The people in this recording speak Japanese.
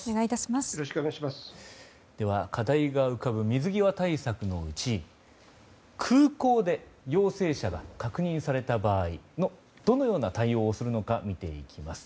では、課題が浮かぶ水際対策のうち空港で陽性者が確認された場合どのような対応をするのか見ていきます。